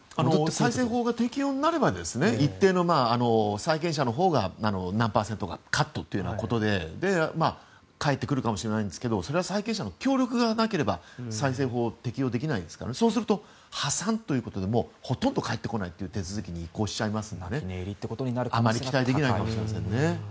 再生法が適用になれば一定の債権者のほうが何パーセントかカットということで返ってくるかもしれないんですがそれは債権者の協力がなければ再生法を適用できないですからそうすると破産ということでほとんど返ってこないという手続きに移行しますのであまり期待できないかもしれませんね。